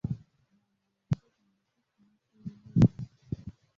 Abantu babiri bahagaze mubiti kumunsi wizuba